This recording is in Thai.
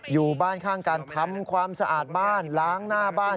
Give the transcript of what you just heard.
อยู่บ้านข้างกันทำความสะอาดบ้านล้างหน้าบ้าน